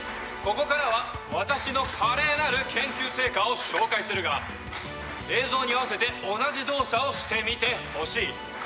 ここからは私の華麗なる研究成果を紹介するが映像に合わせて同じ動作をしてみてほしい。